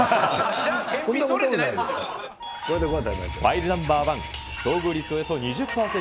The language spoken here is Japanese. じゃあ、ファイルナンバー１、遭遇率およそ２０％。